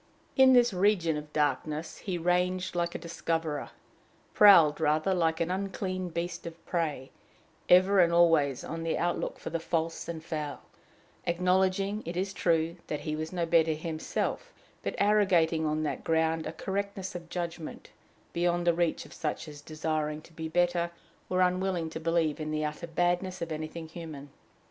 In this region of darkness he ranged like a discoverer prowled rather, like an unclean beast of prey ever and always on the outlook for the false and foul; acknowledging, it is true, that he was no better himself, but arrogating on that ground a correctness of judgment beyond the reach of such as, desiring to be better, were unwilling to believe in the utter badness of anything human.